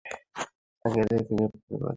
আগে এদেরকে গ্রেপ্তার করা যাক।